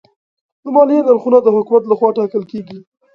د مالیې نرخونه د حکومت لخوا ټاکل کېږي.